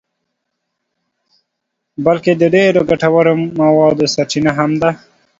بلکه د ډېرو ګټورو موادو سرچینه هم ده.